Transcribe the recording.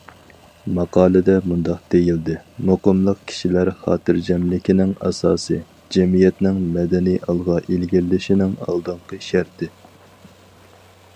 ماقالىدە مۇنداق دېيىلدى: مۇقىملىق كىشىلەر خاتىرجەملىكىنىڭ ئاساسى، جەمئىيەتنىڭ مەدەنىي ئالغا ئىلگىرىلىشىنىڭ ئالدىنقى شەرتى.